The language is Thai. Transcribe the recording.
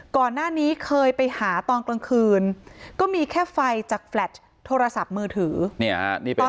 ก่อนหน้านี้เคยไปหาตอนกลางคืนก็มีแค่ไฟจากแฟลต์โทรศัพท์มือถือ